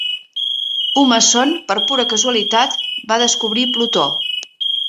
Humason, per pura casualitat, va descobrir Plutó.